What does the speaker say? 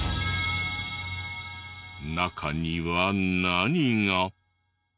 中には何が。